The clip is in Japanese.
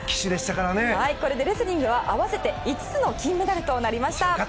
これでレスリングは合わせて５つの金メダルとなりました。